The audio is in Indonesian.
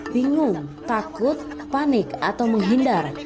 bingung takut panik atau menghindar